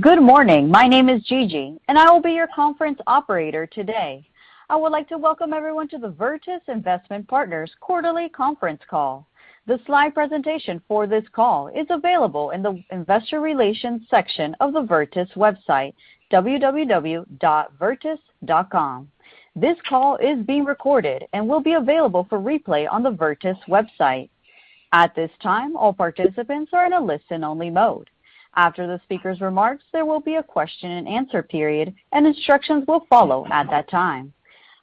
Good morning. My name is Gigi, and I will be your conference operator today. I would like to welcome everyone to the Virtus Investment Partners quarterly conference call. The slide presentation for this call is available in the investor relations section of the Virtus website, www.virtus.com. This call is being recorded and will be available for replay on the Virtus website. At this time, all participants are in a listen-only mode. After the speaker's remarks, there will be a question-and-answer period, and instructions will follow at that time.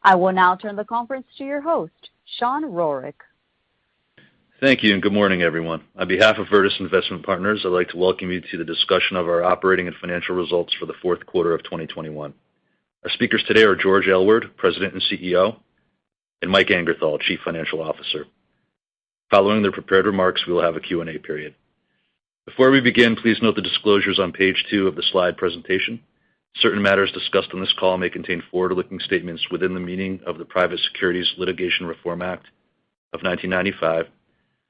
I will now turn the conference to your host, Sean Rourke. Thank you, and good morning, everyone. On behalf of Virtus Investment Partners, I'd like to welcome you to the discussion of our operating and financial results for the Q4 of 2021. Our speakers today are George Aylward, President and CEO, and Mike Angerthal, Chief Financial Officer. Following their prepared remarks, we will have a Q&A period. Before we begin, please note the disclosures on page two of the slide presentation. Certain matters discussed on this call may contain forward-looking statements within the meaning of the Private Securities Litigation Reform Act of 1995,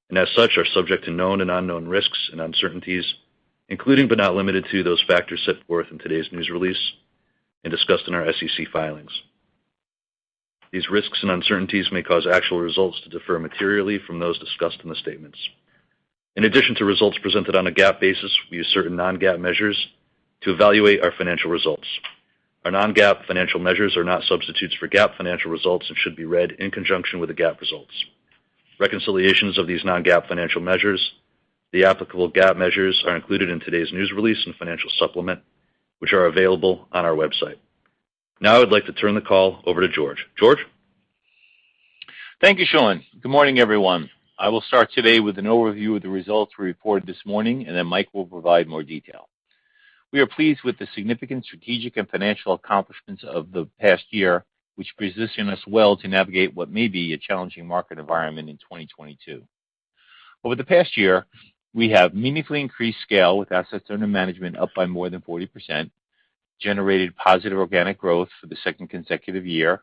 and as such, are subject to known and unknown risks and uncertainties, including, but not limited to, those factors set forth in today's news release and discussed in our SEC filings. These risks and uncertainties may cause actual results to differ materially from those discussed in the statements. In addition to results presented on a GAAP basis, we use certain non-GAAP measures to evaluate our financial results. Our non-GAAP financial measures are not substitutes for GAAP financial results and should be read in conjunction with the GAAP results. Reconciliations of these non-GAAP financial measures, the applicable GAAP measures, are included in today's news release and financial supplement, which are available on our website. Now I'd like to turn the call over to George. George? Thank you, Sean. Good morning, everyone. I will start today with an overview of the results we reported this morning, and then Mike will provide more detail. We are pleased with the significant strategic and financial accomplishments of the past year, which position us well to navigate what may be a challenging market environment in 2022. Over the past year, we have meaningfully increased scale with assets under management up by more than 40%, generated positive organic growth for the second consecutive year,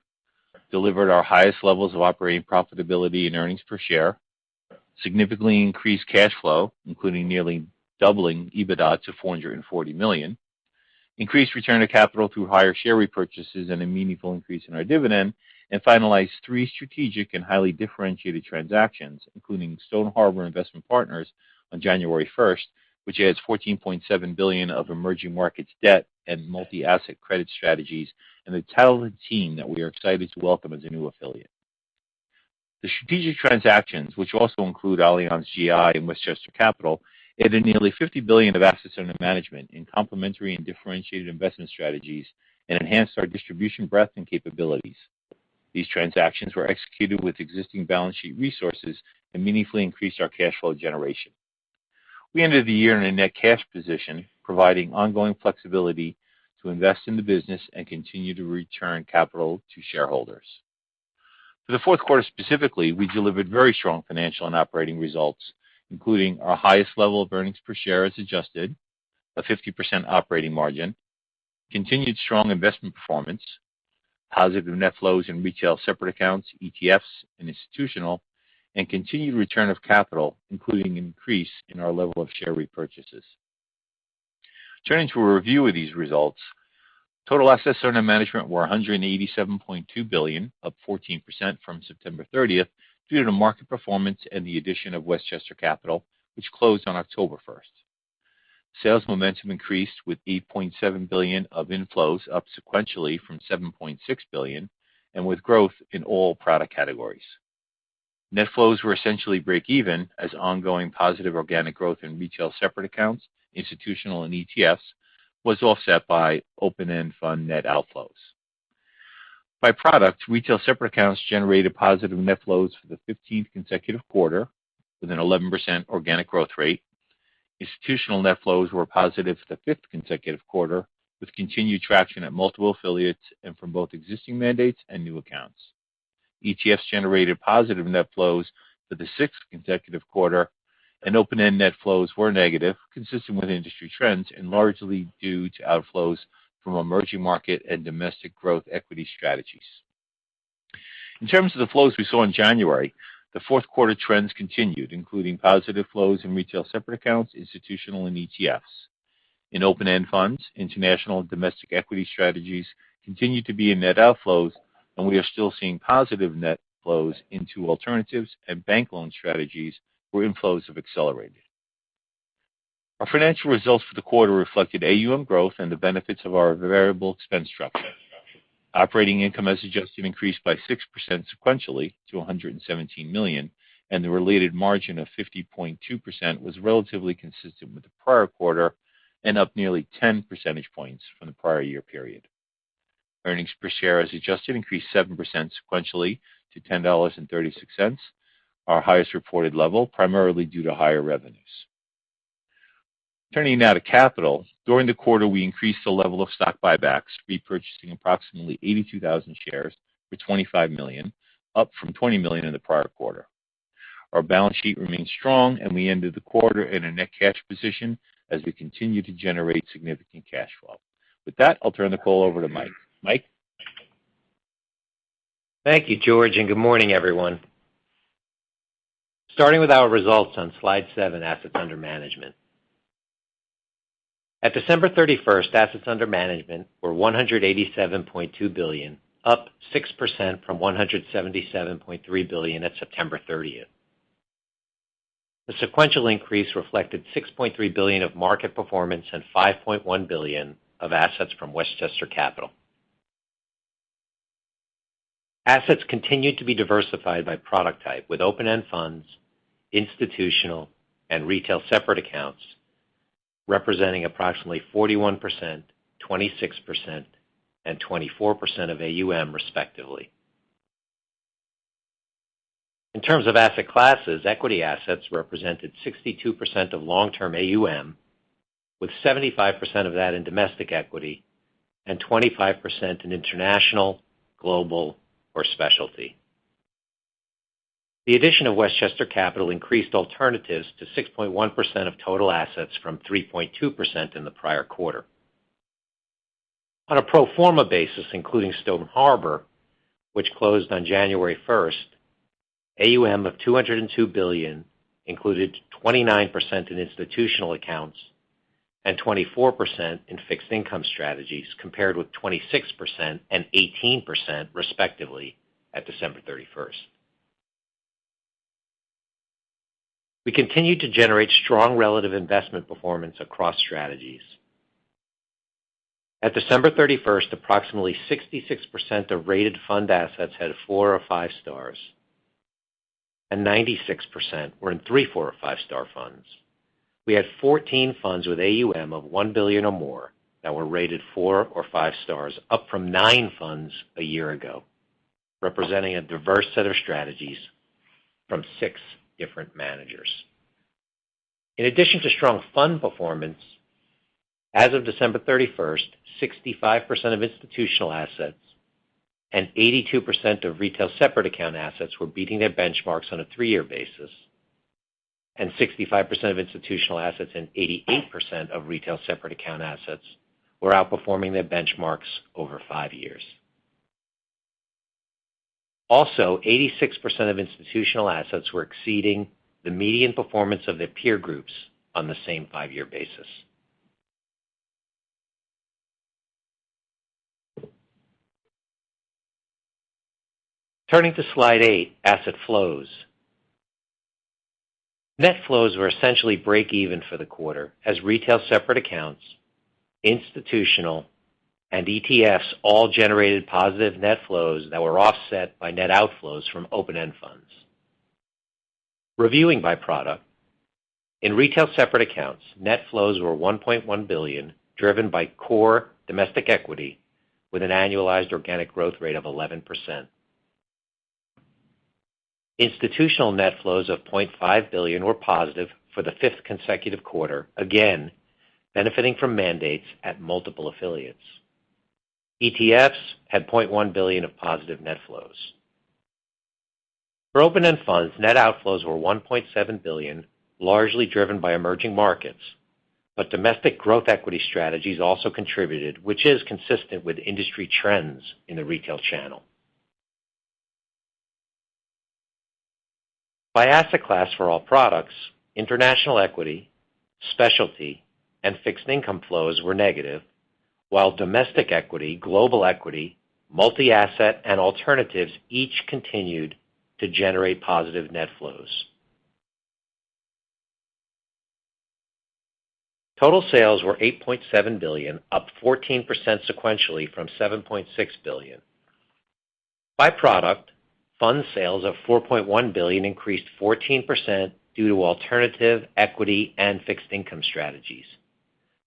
delivered our highest levels of operating profitability and earnings per share, significantly increased cash flow, including nearly doubling EBITDA to $440 million, increased return on capital through higher share repurchases and a meaningful increase in our dividend, and finalized three strategic and highly differentiated transactions, including Stone Harbor Investment Partners on January 1st, which adds $14.7 billion of emerging markets debt and multi-asset credit strategies, and the talented team that we are excited to welcome as a new affiliate. The strategic transactions, which also include Allianz GI and Westchester Capital, added nearly $50 billion of assets under management in complementary and differentiated investment strategies and enhanced our distribution breadth and capabilities. These transactions were executed with existing balance sheet resources and meaningfully increased our cash flow generation. We ended the year in a net cash position, providing ongoing flexibility to invest in the business and continue to return capital to shareholders. For the Q4 specifically, we delivered very strong financial and operating results, including our highest level of earnings per share as adjusted, a 50% operating margin, continued strong investment performance, positive net flows in retail separate accounts, ETFs and institutional, and continued return of capital, including an increase in our level of share repurchases. Turning to a review of these results, total assets under management were $187.2 billion, up 14% from September 30th due to the market performance and the addition of Westchester Capital, which closed on October 1st. Sales momentum increased with $8.7 billion of inflows, up sequentially from $7.6 billion, and with growth in all product categories. Net flows were essentially break even as ongoing positive organic growth in retail separate accounts, institutional and ETFs was offset by open-end fund net outflows. By product, retail separate accounts generated positive net flows for the 15th consecutive quarter with an 11% organic growth rate. Institutional net flows were positive for the 5th consecutive quarter, with continued traction at multiple affiliates and from both existing mandates and new accounts. ETFs generated positive net flows for the 6th consecutive quarter, and open-end net flows were negative, consistent with industry trends and largely due to outflows from emerging market and domestic growth equity strategies. In terms of the flows we saw in January, the Q4 trends continued, including positive flows in retail separate accounts, institutional and ETFs. In open-end funds, international and domestic equity strategies continued to be in net outflows, and we are still seeing positive net flows into alternatives and bank loan strategies where inflows have accelerated. Our financial results for the quarter reflected AUM growth and the benefits of our variable expense structure. Operating income as adjusted increased by 6% sequentially to $117 million, and the related margin of 50.2% was relatively consistent with the prior quarter and up nearly 10 percentage points from the prior year period. Earnings per share as adjusted increased 7% sequentially to $10.36, our highest reported level, primarily due to higher revenues. Turning now to capital. During the quarter, we increased the level of stock buybacks, repurchasing approximately 82,000 shares for $25 million, up from $20 million in the prior quarter. Our balance sheet remains strong, and we ended the quarter in a net cash position as we continue to generate significant cash flow. With that, I'll turn the call over to Mike. Mike? Thank you, George, and good morning, everyone. Starting with our results on slide seven, Assets Under Management. At December 31s, assets under management were $187.2 billion, up 6% from $177.3 billion at September 30th. The sequential increase reflected $6.3 billion of market performance and $5.1 billion of assets from Westchester Capital. Assets continued to be diversified by product type, with open-end funds, institutional, and retail separate accounts representing approximately 41%, 26%, and 24% of AUM, respectively. In terms of asset classes, equity assets represented 62% of long-term AUM, with 75% of that in domestic equity and 25% in international, global, or specialty. The addition of Westchester Capital increased alternatives to 6.1% of total assets from 3.2% in the prior quarter. On a pro forma basis, including Stone Harbor, which closed on January 1st, AUM of $202 billion included 29% in institutional accounts and 24% in fixed income strategies, compared with 26% and 18%, respectively, at December 31st. We continued to generate strong relative investment performance across strategies. At December 31st, approximately 66% of rated fund assets had four or five stars, and 96% were in three, four, or five-star funds. We had 14 funds with AUM of $1 billion or more that were rated four or five stars, up from nine funds a year ago, representing a diverse set of strategies from six different managers. In addition to strong fund performance, as of December 31st, 65% of institutional assets and 82% of retail separate account assets were beating their benchmarks on a three-year basis, and 65% of institutional assets and 88% of retail separate account assets were outperforming their benchmarks over five years. Also, 86% of institutional assets were exceeding the median performance of their peer groups on the same five-year basis. Turning to slide eight, Asset Flows. Net flows were essentially break even for the quarter as retail separate accounts, institutional, and ETFs all generated positive net flows that were offset by net outflows from open-end funds. Reviewing by product, in retail separate accounts, net flows were $1.1 billion, driven by core domestic equity with an annualized organic growth rate of 11%. Institutional net flows of $0.5 billion were positive for the fifth consecutive quarter, again benefiting from mandates at multiple affiliates. ETFs had $0.1 billion of positive net flows. For open-end funds, net outflows were $1.7 billion, largely driven by emerging markets, but domestic growth equity strategies also contributed, which is consistent with industry trends in the retail channel. By asset class for all products, international equity, specialty, and fixed income flows were negative, while domestic equity, global equity, multi-asset, and alternatives each continued to generate positive net flows. Total sales were $8.7 billion, up 14% sequentially from $7.6 billion. By product, fund sales of $4.1 billion increased 14% due to alternative equity and fixed income strategies.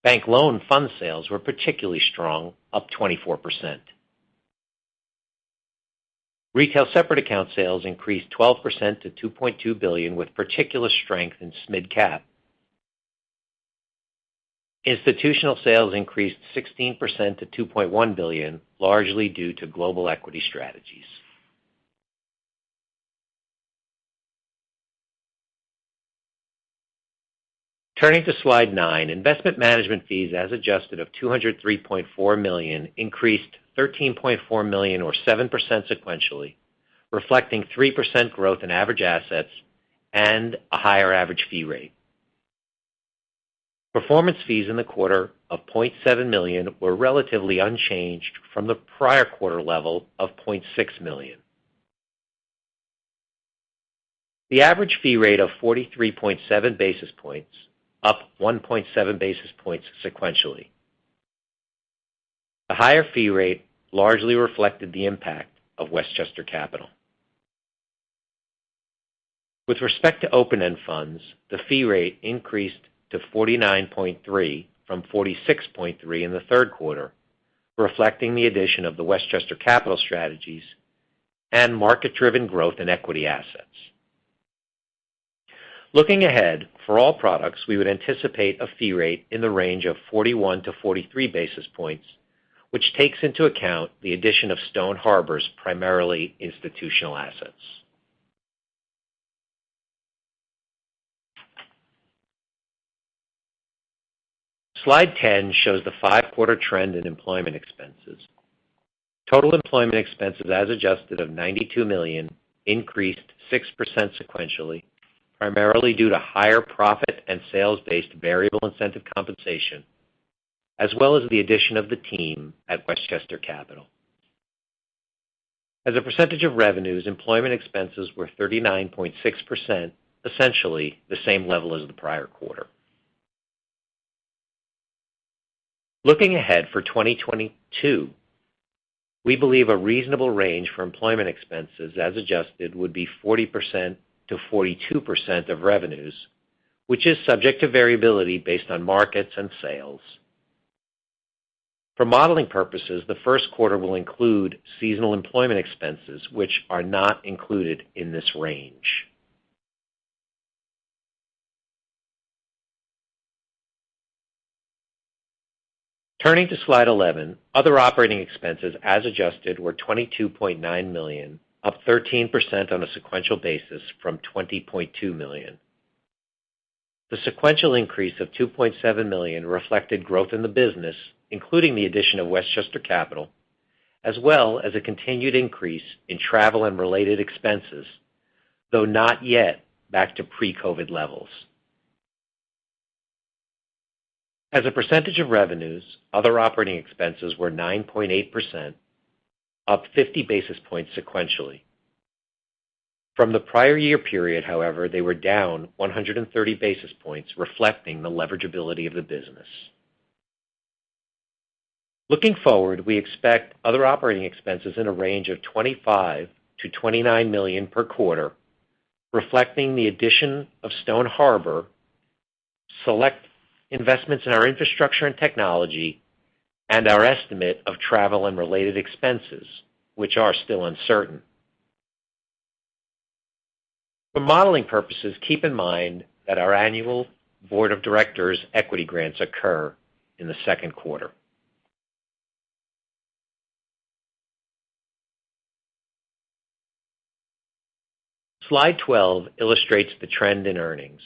Bank loan fund sales were particularly strong, up 24%. Retail separate account sales increased 12% to $2.2 billion, with particular strength in SMID Cap. Institutional sales increased 16% to $2.1 billion, largely due to global equity strategies. Turning to slide nine, investment management fees as adjusted of $203.4 million increased $13.4 million or 7% sequentially, reflecting 3% growth in average assets and a higher average fee rate. Performance fees in the quarter of $0.7 million were relatively unchanged from the prior quarter level of $0.6 million. The average fee rate of 43.7 basis points, up 1.7 basis points sequentially. The higher fee rate largely reflected the impact of Westchester Capital. With respect to open-end funds, the fee rate increased to 49.3 from 46.3 in the Q3, reflecting the addition of the Westchester Capital strategies and market-driven growth in equity assets. Looking ahead, for all products, we would anticipate a fee rate in the range of 41-43 basis points, which takes into account the addition of Stone Harbor's primarily institutional assets. Slide 10 shows the five-quarter trend in employment expenses. Total employment expenses as adjusted of $92 million increased 6% sequentially, primarily due to higher profit- and sales-based variable incentive compensation, as well as the addition of the team at Westchester Capital. As a percentage of revenues, employment expenses were 39.6%, essentially the same level as the prior quarter. Looking ahead for 2022, we believe a reasonable range for employment expenses as adjusted would be 40%-42% of revenues which is subject to variability based on markets and sales. For modeling purposes, the Q1 will include seasonal employment expenses which are not included in this range. Turning to slide 11, other operating expenses as adjusted were $22.9 million, up 13% on a sequential basis from $20.2 million. The sequential increase of $2.7 million reflected growth in the business, including the addition of Westchester Capital, as well as a continued increase in travel and related expenses, though not yet back to pre-COVID levels. As a percentage of revenues, other operating expenses were 9.8%, up 50 basis points sequentially. From the prior year period, however, they were down 130 basis points, reflecting the leveragability of the business. Looking forward, we expect other operating expenses in a range of $25 million-$29 million per quarter, reflecting the addition of Stone Harbor, select investments in our infrastructure and technology and our estimate of travel and related expenses, which are still uncertain. For modeling purposes, keep in mind that our annual board of directors equity grants occur in the Q2. Slide 12 illustrates the trend in earnings.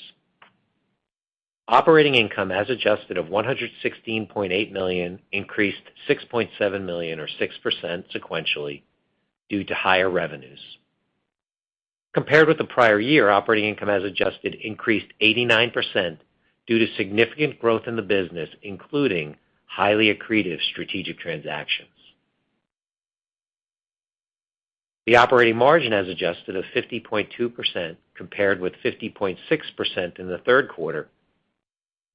Operating income as adjusted of $116.8 million increased $6.7 million or 6% sequentially due to higher revenues. Compared with the prior year, operating income as adjusted increased 89% due to significant growth in the business, including highly accretive strategic transactions. The operating margin as adjusted of 50.2% compared with 50.6% in the Q3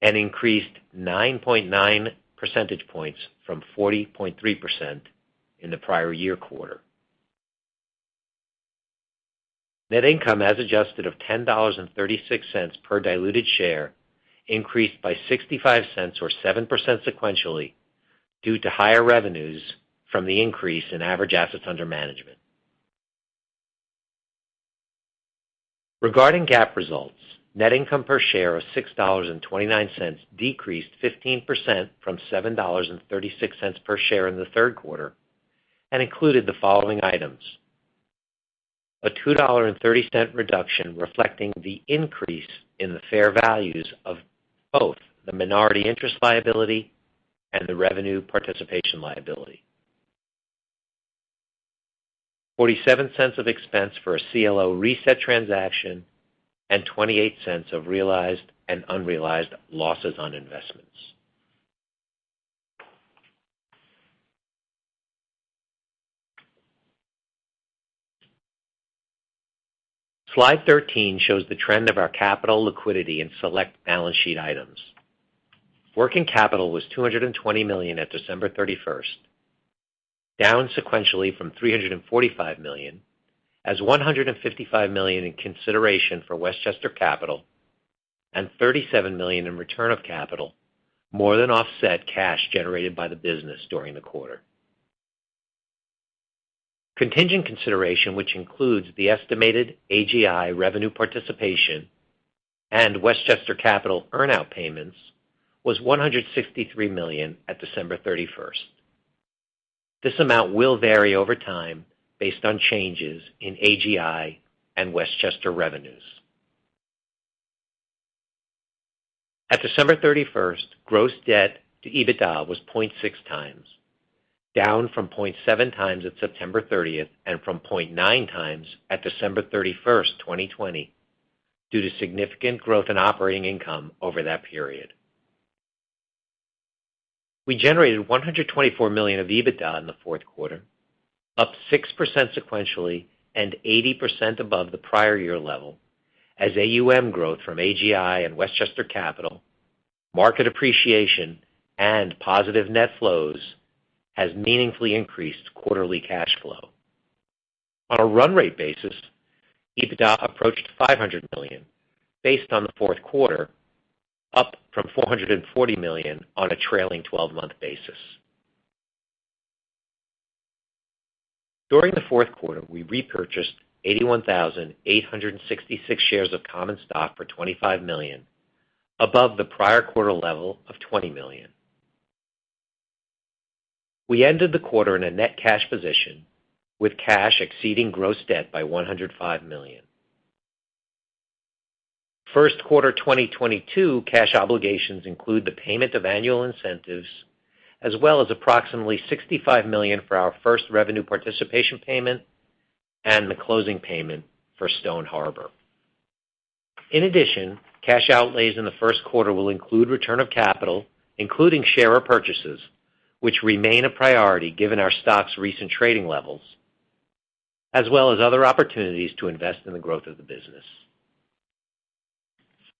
and increased 9.9 percentage points from 40.3% in the prior year quarter. Net income as adjusted of $10.36 per diluted share increased by $0.65 or 7% sequentially due to higher revenues from the increase in average assets under management. Regarding GAAP results, net income per share of $6.29 decreased 15% from $7.36 per share in the Q3 and included the following items, a $2.30 reduction reflecting the increase in the fair values of both the minority interest liability and the revenue participation liability, $0.47 of expense for a CLO reset transaction, and $0.28 of realized and unrealized losses on investments. Slide 13 shows the trend of our capital liquidity and select balance sheet items. Working capital was $220 million at December 31st, down sequentially from $345 million as $155 million in consideration for Westchester Capital and $37 million in return of capital more than offset cash generated by the business during the quarter. Contingent consideration, which includes the estimated AGI revenue participation and Westchester Capital earn-out payments, was $163 million at December 31st. This amount will vary over time based on changes in AGI and Westchester revenues. At December 31st, gross debt to EBITDA was 0.6x, down from 0.7x at September 30th and from 0.9x at December 31st, 2020 due to significant growth in operating income over that period. We generated $124 million of EBITDA in the Q4, up 6% sequentially and 80% above the prior year level. As AUM growth from AGI and Westchester Capital, market appreciation, and positive net flows has meaningfully increased quarterly cash flow. On a run rate basis, EBITDA approached $500 million based on the Q4, up from $440 million on a trailing twelve-month basis. During the Q4, we repurchased 81,866 shares of common stock for $25 million above the prior quarter level of $20 million. We ended the quarter in a net cash position, with cash exceeding gross debt by $105 million. Q1 2022 cash obligations include the payment of annual incentives, as well as approximately $65 million for our first revenue participation payment and the closing payment for Stone Harbor. In addition, cash outlays in the Q1 will include return of capital, including share repurchases, which remain a priority given our stock's recent trading levels, as well as other opportunities to invest in the growth of the business.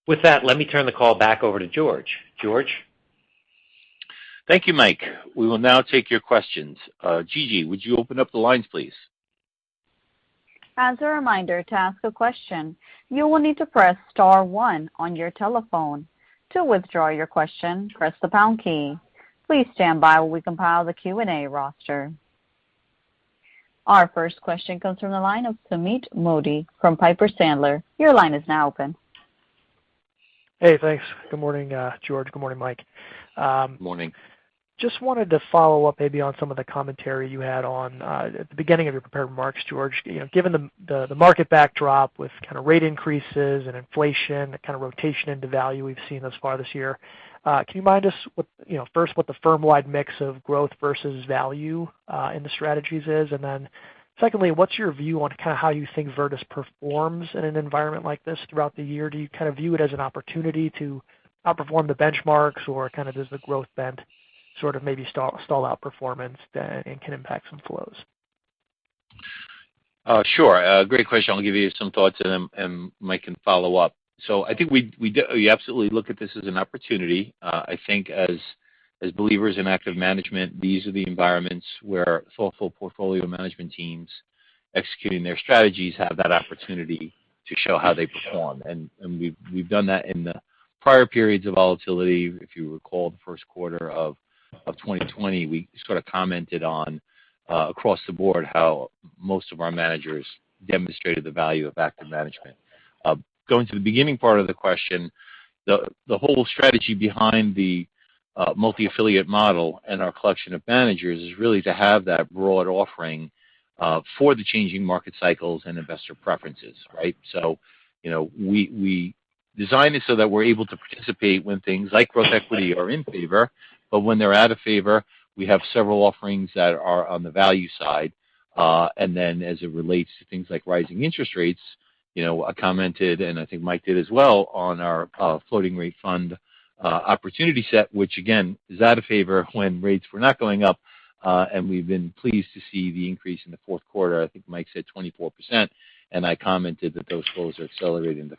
With that, let me turn the call back over to George. George? Thank you, Mike. We will now take your questions. Gigi, would you open up the lines, please? As a reminder, to ask a question, you will need to press star one on your telephone. To withdraw your question, press the pound key. Please stand by while we compile the Q&A roster. Our first question comes from the line of Sumeet Mody from Piper Sandler. Your line is now open. Hey, thanks. Good morning, George. Good morning, Mike. Morning. Just wanted to follow up maybe on some of the commentary you had on at the beginning of your prepared remarks, George. You know, given the market backdrop with kinda rate increases and inflation, the kinda rotation into value we've seen thus far this year, can you remind us what, you know, first what the firm-wide mix of growth versus value in the strategies is? Then secondly, what's your view on kinda how you think Virtus performs in an environment like this throughout the year? Do you kind of view it as an opportunity to outperform the benchmarks, or kind of does the growth bend sort of maybe stall out performance then and can impact some flows? Sure. A great question. I'll give you some thoughts, and Mike can follow up. I think we absolutely look at this as an opportunity. I think as believers in active management, these are the environments where thoughtful portfolio management teams executing their strategies have that opportunity to show how they perform. We've done that in the prior periods of volatility. If you recall the Q1 of 2020, we sort of commented on across the board how most of our managers demonstrated the value of active management. Going to the beginning part of the question, the whole strategy behind the multi-affiliate model and our collection of managers is really to have that broad offering for the changing market cycles and investor preferences, right? You know, we design it so that we're able to participate when things like growth equity are in favor. When they're out of favor, we have several offerings that are on the value side. Then as it relates to things like rising interest rates, you know, I commented, and I think Mike did as well, on our floating rate fund opportunity set, which again, is out of favor when rates were not going up. We've been pleased to see the increase in the Q4. I think Mike said 24%, and I commented that those flows are accelerating in the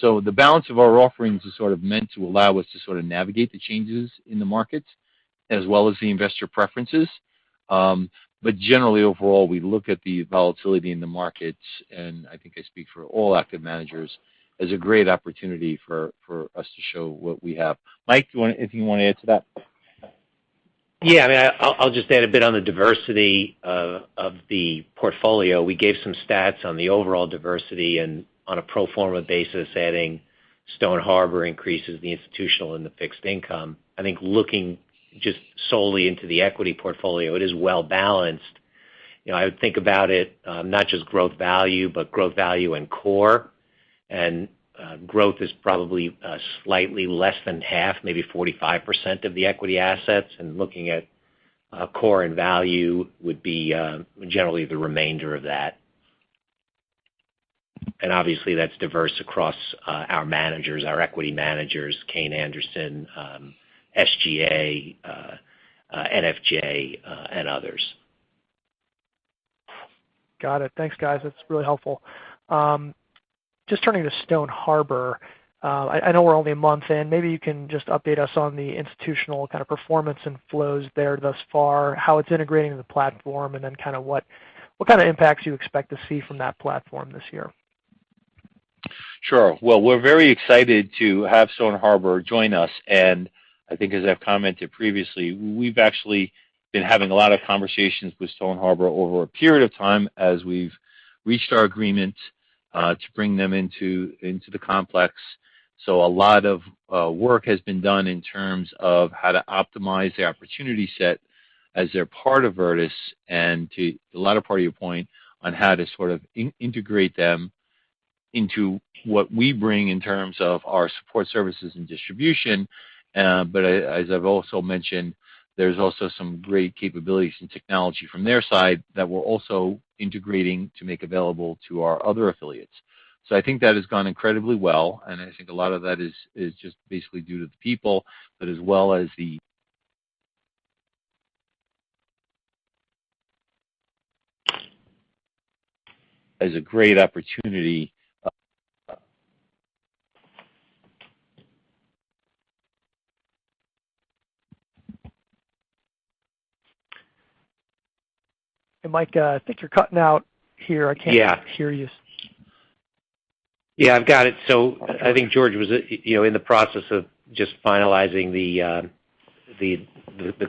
Q1. The balance of our offerings is sort of meant to allow us to sort of navigate the changes in the markets as well as the investor preferences. Generally overall, we look at the volatility in the markets, and I think I speak for all active managers, as a great opportunity for us to show what we have. Mike, if you wanna add to that. Yeah. I mean, I'll just add a bit on the diversity of the portfolio. We gave some stats on the overall diversity and on a pro forma basis, adding Stone Harbor increases the institutional and the fixed income. I think looking just solely into the equity portfolio, it is well-balanced. You know, I would think about it, not just growth value, but growth value and core. Growth is probably slightly less than half, maybe 45% of the equity assets. Looking at core and value would be generally the remainder of that. Obviously that's diverse across our managers, our equity managers, Kayne Anderson, SGA, NFJ, and others. Got it. Thanks, guys. That's really helpful. Just turning to Stone Harbor, I know we're only a month in. Maybe you can just update us on the institutional kind of performance and flows there thus far, how it's integrating in the platform, and then kinda what kind of impacts you expect to see from that platform this year. Sure. Well, we're very excited to have Stone Harbor join us, and I think as I've commented previously, we've actually been having a lot of conversations with Stone Harbor over a period of time as we've reached our agreement to bring them into the complex. A lot of work has been done in terms of how to optimize the opportunity set as they're part of Virtus and to the latter part of your point on how to sort of integrate them into what we bring in terms of our support services and distribution. But as I've also mentioned, there's also some great capabilities and technology from their side that we're also integrating to make available to our other affiliates. I think that has gone incredibly well, and I think a lot of that is just basically due to the people, but as well as a great opportunity. Mike, I think you're cutting out here. I can't hear you. Yeah. I've got it. I think George was, you know, in the process of just finalizing the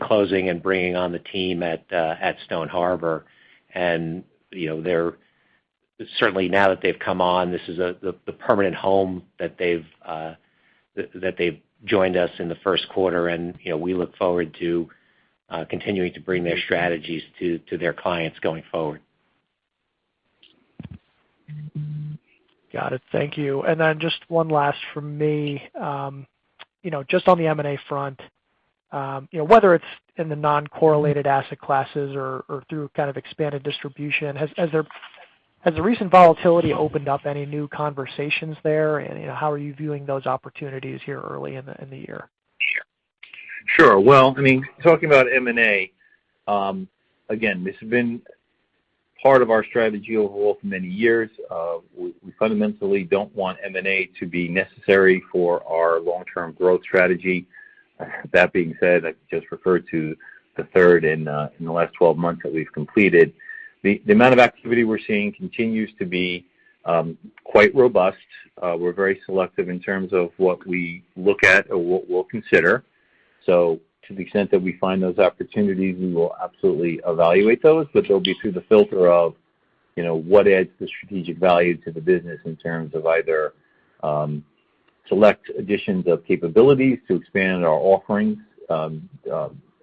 closing and bringing on the team at Stone Harbor. You know, they're Certainly now that they've come on, this is the permanent home that they've joined us in the Q1. You know, we look forward to continuing to bring their strategies to their clients going forward. Got it. Thank you. Just one last from me. You know, just on the M&A front, you know, whether it's in the non-correlated asset classes or through kind of expanded distribution, has the recent volatility opened up any new conversations there? You know, how are you viewing those opportunities here early in the year? Sure. Well, I mean, talking about M&A, again, this has been part of our strategy overall for many years. We fundamentally don't want M&A to be necessary for our long-term growth strategy. That being said, I just referred to the third in the last 12 months that we've completed. The amount of activity we're seeing continues to be quite robust. We're very selective in terms of what we look at or what we'll consider. To the extent that we find those opportunities, we will absolutely evaluate those, but they'll be through the filter of, you know, what adds the strategic value to the business in terms of either, select additions of capabilities to expand our offerings,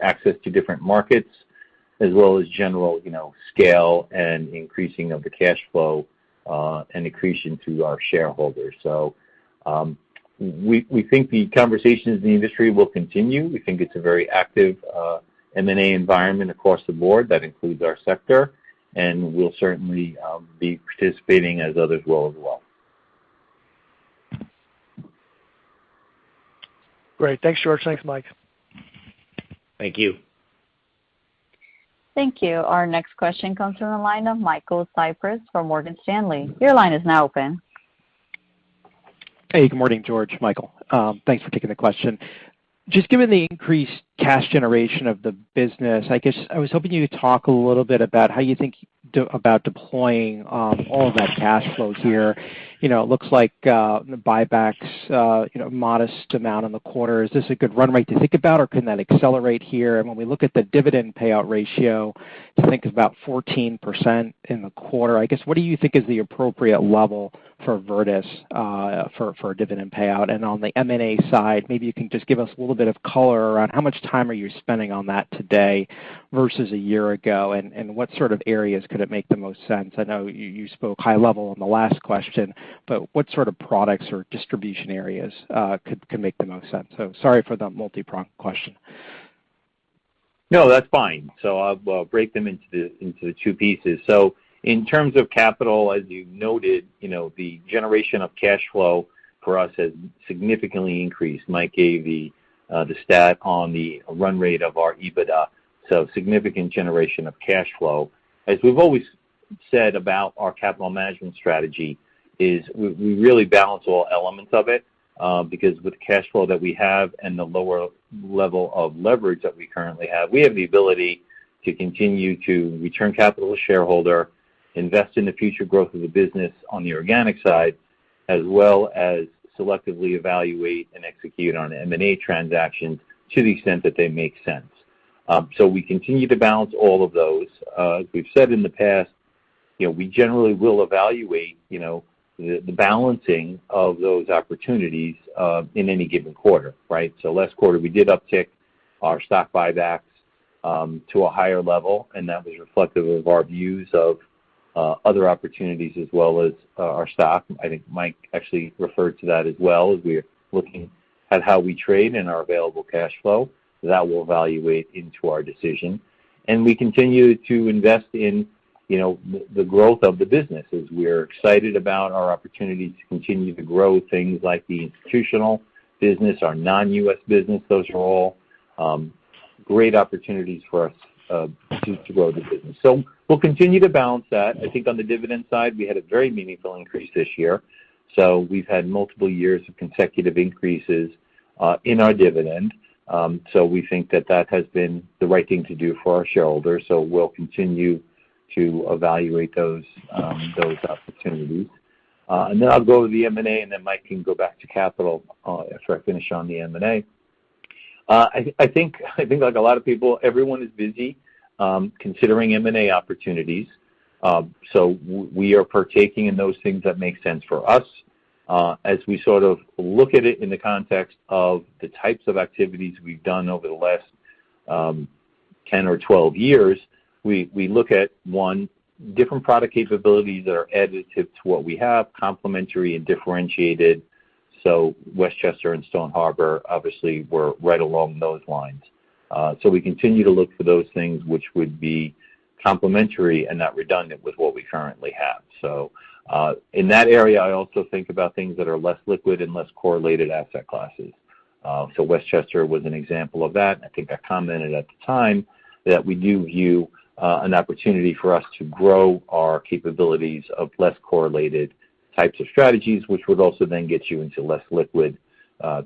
access to different markets, as well as general, you know, scale and increasing of the cash flow, and accretion to our shareholders. We think the conversations in the industry will continue. We think it's a very active M&A environment across the board. That includes our sector, and we'll certainly be participating as others will as well. Great. Thanks, George. Thanks, Mike. Thank you. Thank you. Our next question comes from the line of Michael Cyprys from Morgan Stanley. Your line is now open. Hey, good morning, George. Michael. Thanks for taking the question. Just given the increased cash generation of the business, I guess I was hoping you could talk a little bit about how you think about deploying all of that cash flow here. You know, it looks like the buybacks you know modest amount in the quarter. Is this a good run rate to think about, or can that accelerate here? When we look at the dividend payout ratio to think about 14% in the quarter, I guess, what do you think is the appropriate level for Virtus for a dividend payout? On the M&A side, maybe you can just give us a little bit of color around how much time are you spending on that today versus a year ago, and what sort of areas could it make the most sense? I know you spoke high level on the last question, but what sort of products or distribution areas could make the most sense? Sorry for the multipronged question. No, that's fine. I'll break them into the two pieces. In terms of capital, as you noted, you know, the generation of cash flow for us has significantly increased. Mike gave the stat on the run rate of our EBITDA, so significant generation of cash flow. As we've always said about our capital management strategy is we really balance all elements of it, because with the cash flow that we have and the lower level of leverage that we currently have, we have the ability to continue to return capital to shareholder, invest in the future growth of the business on the organic side, as well as selectively evaluate and execute on M&A transactions to the extent that they make sense. We continue to balance all of those. As we've said in the past, you know, we generally will evaluate the balancing of those opportunities in any given quarter, right? Last quarter, we did uptick our stock buybacks to a higher level, and that was reflective of our views of other opportunities as well as our stock. I think Mike actually referred to that as well as we're looking at how we trade and our available cash flow. That will evaluate into our decision. We continue to invest in the growth of the business as we're excited about our opportunity to continue to grow things like the institutional business, our non-US business. Those are all great opportunities for us to grow the business. We'll continue to balance that. I think on the dividend side, we had a very meaningful increase this year. We've had multiple years of consecutive increases in our dividend. We think that has been the right thing to do for our shareholders. We'll continue to evaluate those opportunities. Then I'll go to the M&A, and then Mike can go back to capital after I finish on the M&A. I think like a lot of people, everyone is busy considering M&A opportunities. We are partaking in those things that make sense for us. As we sort of look at it in the context of the types of activities we've done over the last 10 or 12 years, we look at one, different product capabilities that are additive to what we have, complementary and differentiated. Westchester and Stone Harbor obviously were right along those lines. We continue to look for those things which would be complementary and not redundant with what we currently have. In that area, I also think about things that are less liquid and less correlated asset classes. Westchester was an example of that. I think I commented at the time that we do view an opportunity for us to grow our capabilities of less correlated types of strategies, which would also then get you into less liquid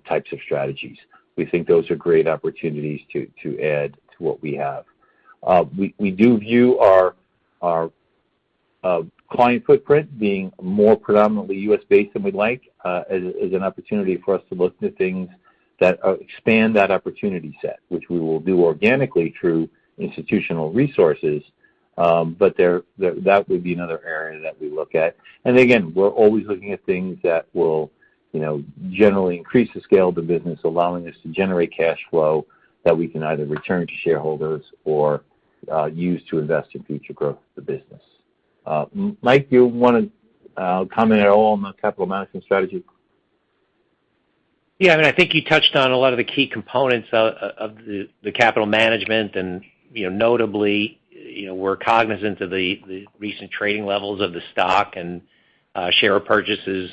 types of strategies. We think those are great opportunities to add to what we have. We do view our client footprint being more predominantly U.S. based than we'd like, as an opportunity for us to look at things that expand that opportunity set, which we will do organically through institutional resources. That would be another area that we look at. We're always looking at things that will, you know, generally increase the scale of the business, allowing us to generate cash flow that we can either return to shareholders or use to invest in future growth of the business. Mike, do you wanna comment at all on the capital management strategy? Yeah, I mean, I think you touched on a lot of the key components of the capital management and, you know, notably, we're cognizant of the recent trading levels of the stock and share purchases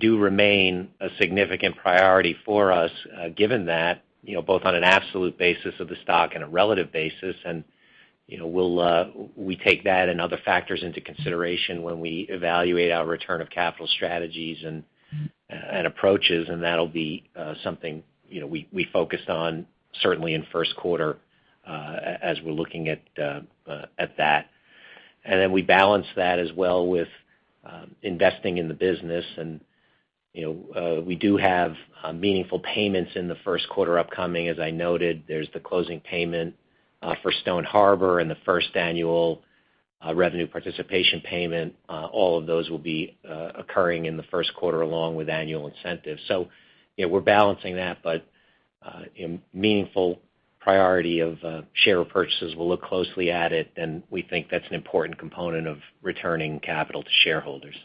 do remain a significant priority for us, given that, you know, both on an absolute basis of the stock and a relative basis. You know, we'll take that and other factors into consideration when we evaluate our return of capital strategies and approaches, and that'll be something we focus on certainly in the Q1 as we're looking at that. We balance that as well with investing in the business. You know, we do have meaningful payments in the Q1 upcoming. As I noted, there's the closing payment for Stone Harbor and the first annual revenue participation payment. All of those will be occurring in the Q1, along with annual incentives. You know, we're balancing that, but meaningful priority of share purchases, we'll look closely at it, and we think that's an important component of returning capital to shareholders.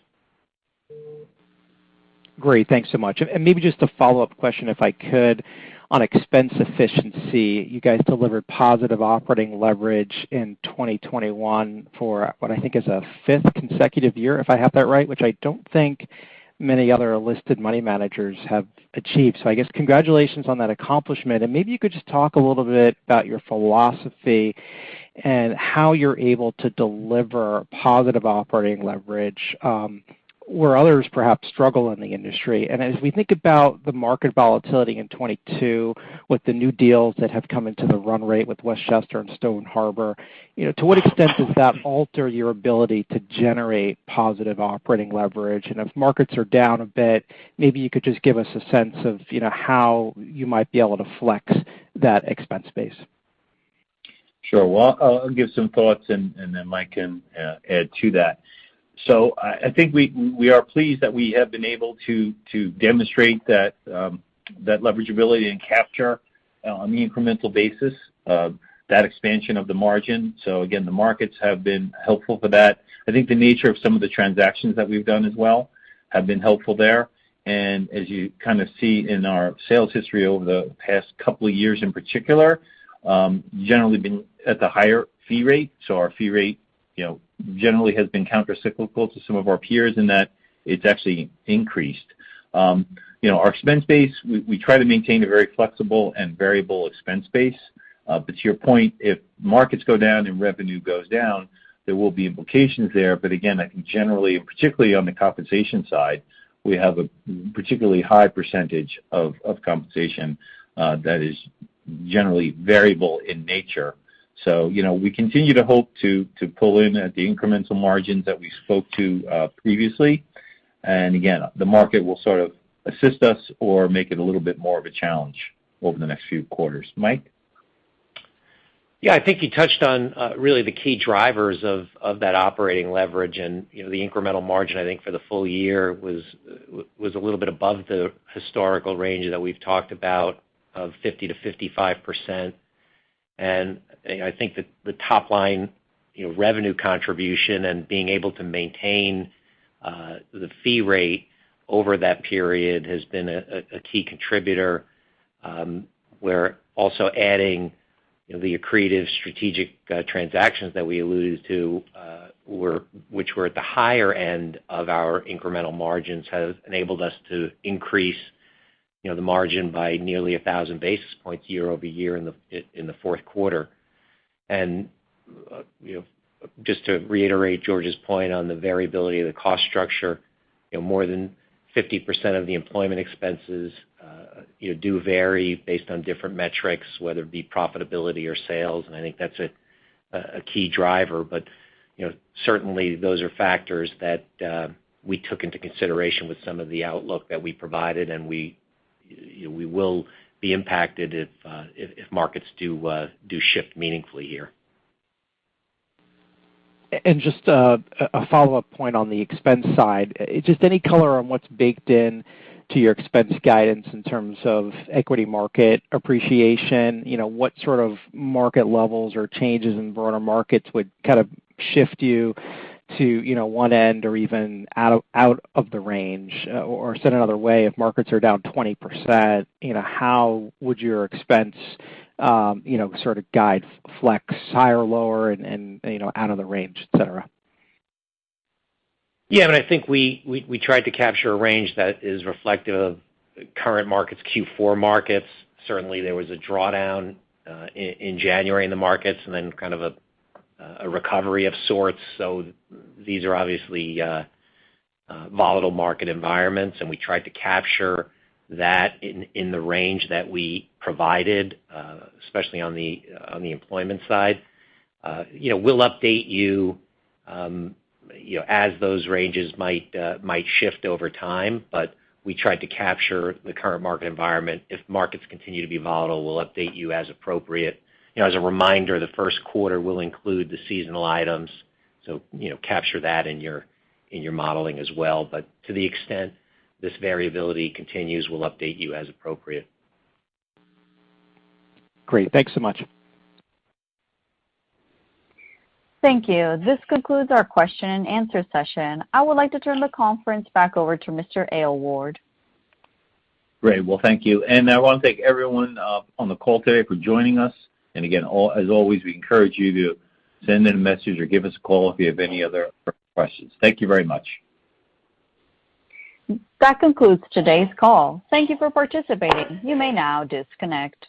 Great. Thanks so much. Maybe just a follow-up question, if I could, on expense efficiency. You guys delivered positive operating leverage in 2021 for what I think is a 5th consecutive year, if I have that right, which I don't think many other listed money managers have achieved. I guess congratulations on that accomplishment. Maybe you could just talk a little bit about your philosophy and how you're able to deliver positive operating leverage, where others perhaps struggle in the industry. As we think about the market volatility in 2022 with the new deals that have come into the run rate with Westchester and Stone Harbor, you know, to what extent does that alter your ability to generate positive operating leverage? If markets are down a bit, maybe you could just give us a sense of, you know, how you might be able to flex that expense base. Sure. Well, I'll give some thoughts and then Mike can add to that. I think we are pleased that we have been able to demonstrate that leverageability and capture on the incremental basis of that expansion of the margin. Again, the markets have been helpful for that. I think the nature of some of the transactions that we've done as well have been helpful there. As you kinda see in our sales history over the past couple of years in particular, generally been at the higher fee rate. Our fee rate, you know, generally has been countercyclical to some of our peers in that it's actually increased. You know, our expense base, we try to maintain a very flexible and variable expense base. To your point, if markets go down and revenue goes down, there will be implications there. Again, I can generally, particularly on the compensation side, we have a particularly high percentage of compensation that is generally variable in nature. You know, we continue to hope to pull in at the incremental margins that we spoke to previously. Again, the market will sort of assist us or make it a little bit more of a challenge over the next few quarters. Mike? Yeah, I think you touched on really the key drivers of that operating leverage. You know, the incremental margin, I think, for the full year was a little bit above the historical range that we've talked about of 50%-55%. You know, I think the top line, you know, revenue contribution and being able to maintain the fee rate over that period has been a key contributor. We're also adding, you know, the accretive strategic transactions that we alluded to, which were at the higher end of our incremental margins, has enabled us to increase, you know, the margin by nearly 1,000 basis points year-over-year in the Q4. You know, just to reiterate George's point on the variability of the cost structure, you know, more than 50% of the employment expenses do vary based on different metrics, whether it be profitability or sales, and I think that's a key driver. You know, certainly those are factors that we took into consideration with some of the outlook that we provided, and we, you know, we will be impacted if markets do shift meaningfully here. Just a follow-up point on the expense side. Just any color on what's baked into your expense guidance in terms of equity market appreciation. You know, what sort of market levels or changes in broader markets would kind of shift you to, you know, one end or even out of the range? Or said another way, if markets are down 20%, you know, how would your expense, you know, sort of guide flex higher or lower and out of the range, et cetera? Yeah, I mean, I think we tried to capture a range that is reflective of current markets, Q4 markets. Certainly, there was a drawdown in January in the markets and then kind of a recovery of sorts. These are obviously volatile market environments, and we tried to capture that in the range that we provided, especially on the employment side. You know, we'll update you know, as those ranges might shift over time, but we tried to capture the current market environment. If markets continue to be volatile, we'll update you as appropriate. You know, as a reminder, the Q1 will include the seasonal items, you know, capture that in your modeling as well. To the extent this variability continues, we'll update you as appropriate. Great. Thanks so much. Thank you. This concludes our question and answer session. I would like to turn the conference back over to Mr. Aylward. Great. Well, thank you. I wanna thank everyone on the call today for joining us. Again, as always, we encourage you to send in a message or give us a call if you have any other questions. Thank you very much. That concludes today's call. Thank you for participating. You may now disconnect.